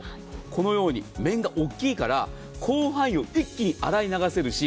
このように面が大きいから広範囲を一気に洗い流せるし。